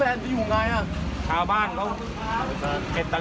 แม่ก็ให้โอกาสแม่ก็ไล่ออกไปจะไปเช่าห้องอยู่แล้วค่ะแม่